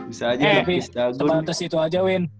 eh tempatnya situ aja win